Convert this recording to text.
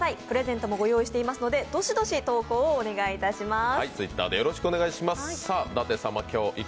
プレゼントもご用意していますのでどしどし投稿をお願いします。